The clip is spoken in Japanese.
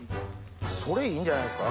それいいんじゃないですか？